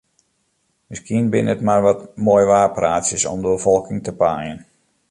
Miskien binne it mar wat moaiwaarpraatsjes om de befolking te paaien.